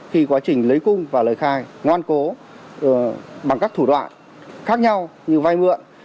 khi quá trình lấy cung và lời khai ngoan cố bằng các thủ đoạn khác nhau như vay mượn